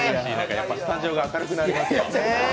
スタジオが明るくなりますよ。